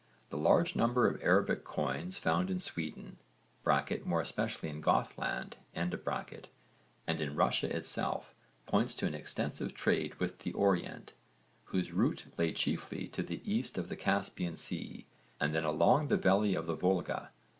The large number of Arabic coins found in Sweden (more especially in Gothland) and in Russia itself points to an extensive trade with the Orient whose route lay chiefly to the east of the Caspian Sea and then along the valley of the Volga.